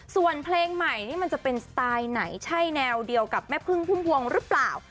ส่วนเพลงใหม่นี่มันจะเป็นสไตล์ไหนใช่แนวเดียวกับแม่พึ่งพุ่มพวงหรือเปล่า